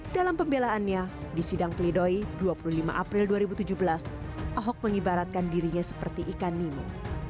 dalam pembelaannya di sidang pledoi dua puluh lima april dua ribu tujuh belas ahok mengibaratkan dirinya seperti ikan nemo